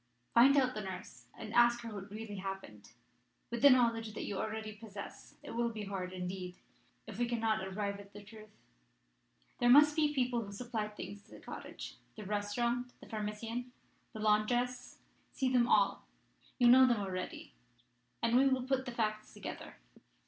Find out the nurse, and ask her what really happened. With the knowledge that you already possess, it will be hard, indeed, if we cannot arrive at the truth. There must be people who supplied things to the cottage the restaurant, the pharmacien, the laundress. See them all you know them already, and we will put the facts together.